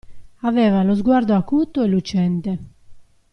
Aveva lo sguardo acuto e lucente.